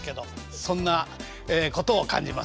そんなことを感じます。